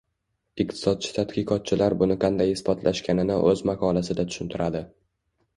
Iqtisodchi tadqiqotchilar buni qanday isbotlashganini o‘z maqolasida tushuntiradi.